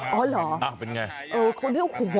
อ๋อเหรอเป็นไงเออเขาเรียกโอ้โห